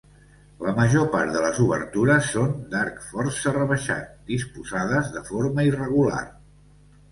La major part de les obertures són d'arc força rebaixat, disposades de forma irregular.